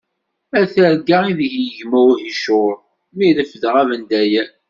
A targa i deg yegma uhicur! Mi refdeɣ abendayer.